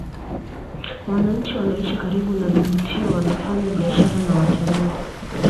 Wananchi wanaoishi karibu na vivutio waanafanya biashara na watalii